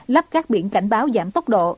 lắp các biển cảnh báo giảm tốc độ